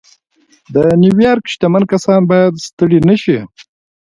د نيويارک شتمن کسان بايد ستړي نه شي.